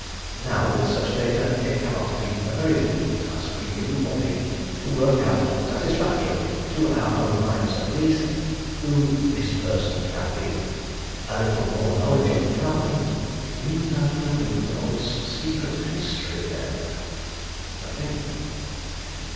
Now, with such data, it cannot be a very difficult task for you or me to work out satisfactorily, to our own minds at least, who this person can be. A little more knowledge of the family " "You know nothing of its secret history, then?" "Nothing."